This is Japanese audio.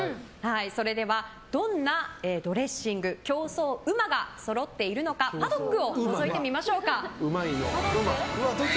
それでは、どんなドレッシング競争うまがそろっているのかパドックをのぞいてみましょうか。